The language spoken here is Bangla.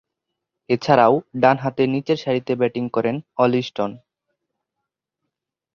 এছাড়াও, ডানহাতে নিচেরসারিতে ব্যাটিং করেন অলি স্টোন।